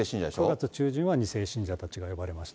９月中旬は２世信者たちが呼ばれました。